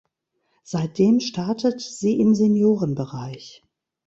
Seitdem startet sie im Seniorenbereich.